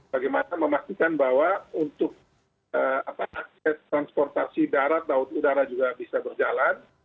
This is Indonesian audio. bagaimana memastikan bahwa untuk akses transportasi darat laut udara juga bisa berjalan